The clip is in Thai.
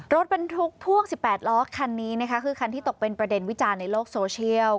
รถบรรทุกพ่วง๑๘ล้อคันนี้นะคะคือคันที่ตกเป็นประเด็นวิจารณ์ในโลกโซเชียล